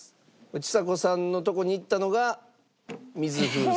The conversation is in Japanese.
ちさ子さんのとこにいったのが水風船。